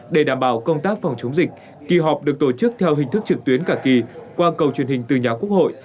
để đảm bảo công tác phòng chống dịch kỳ họp được tổ chức theo hình thức trực tuyến cả kỳ qua cầu truyền hình từ nhà quốc hội